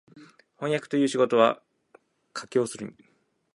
飜訳という仕事は畢竟するに、